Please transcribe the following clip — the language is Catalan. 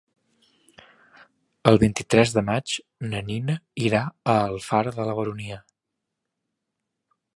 El vint-i-tres de maig na Nina irà a Alfara de la Baronia.